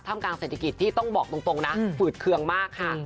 กลางเศรษฐกิจที่ต้องบอกตรงนะฝืดเคืองมากค่ะ